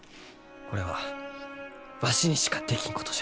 これはわしにしかできんことじゃ。